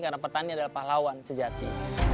karena petani adalah pahlawan sejati